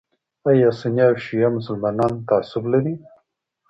ایا سني او شیعه مسلمانان تعصب لري؟